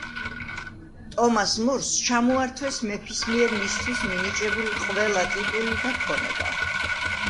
ტომას მორს ჩამოართვეს მეფის მიერ მისთვის მინიჭებული ყველა ტიტული და ქონება.